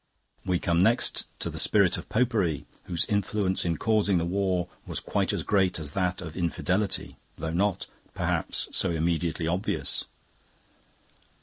"We come next to the spirit of Popery, whose influence in causing the war was quite as great as that of Infidelity, though not, perhaps, so immediately obvious.